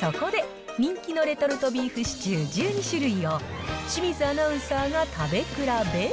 そこで人気のレトルトビーフシチュー１２種類を、清水アナウンサーが食べ比べ。